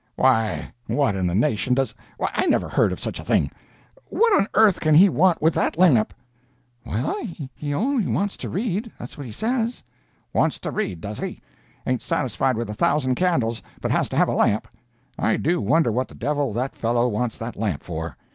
"Why what in the nation does—why I never heard of such a thing? What on earth can he want with that lamp?" "Well, he on'y wants to read—that's what he says." "Wants to read, does he?—ain't satisfied with a thousand candles, but has to have a lamp!—I do wonder what the devil that fellow wants that lamp for?